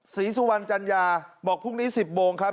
ศรีสุวรรณจัญญาบอกพรุ่งนี้๑๐โมงครับ